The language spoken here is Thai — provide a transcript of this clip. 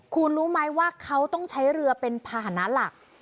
คุณรู้ไหมว่าเขาต้องใช้เรือเป็นภาษณะหลัก